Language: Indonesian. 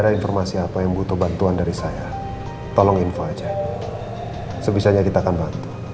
sampai jumpa di video selanjutnya